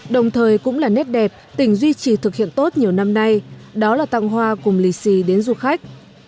đồng thời cũng là nét đẹp tỉnh duy trì thực hiện tốt nhiều năm nay đó là tặng hoa cùng lì xì đến du khách